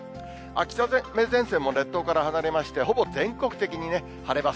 秋雨前線も列島から離れまして、ほぼ全国的に晴れます。